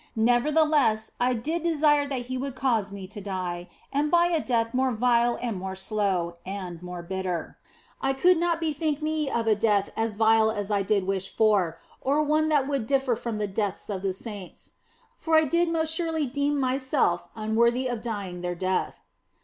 Nevertheless, I did desire that He would cause me to die, and by a death more vile and more slow, and more bitter. I could not bethink me of a death as vile as I did wish for, or one that would differ from the deaths of the saints for I did most surely deem myself unworthy of dying their death.